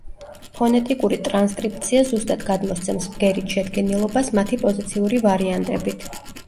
ფონეტიკური ტრანსკრიფცია ზუსტად გადმოსცემს ბგერით შედგენილობას მათი პოზიციური ვარიანტებით.